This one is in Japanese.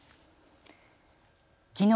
きのう